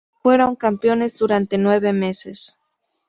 Fueron campeones durante nueve meses.